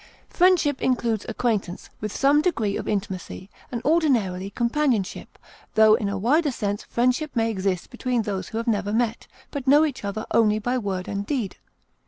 Friendship includes acquaintance with some degree of intimacy, and ordinarily companionship, though in a wider sense friendship may exist between those who have never met, but know each other only by word and deed.